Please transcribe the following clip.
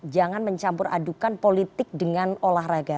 jangan mencampur adukan politik dengan olahraga